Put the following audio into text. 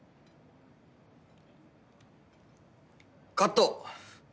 カット！